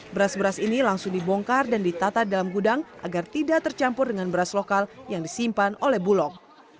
beras beras ini langsung dibongkar dan ditata dalam gudang agar tidak tercampur dengan beras lokal yang disimpan oleh bulog